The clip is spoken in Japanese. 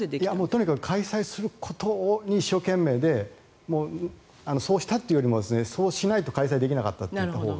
とにかく開催することに一生懸命でそうしたいというよりもそうしないと開催できなかったといったほうが。